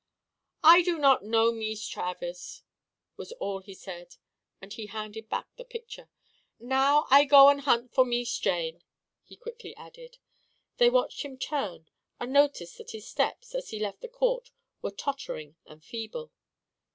"I do not know Mees Travers," was all he said as he handed back the picture. "Now I go an' hunt for Mees Jane," he quickly added. They watched him turn and noticed that his steps, as he left the court, were tottering and feeble.